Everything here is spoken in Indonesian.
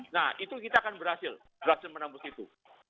nah itu kita akan berhasil berhasil menembus itu